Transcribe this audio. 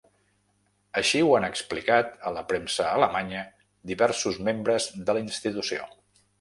Així ho han explicat a la premsa alemanya diversos membres de la institució.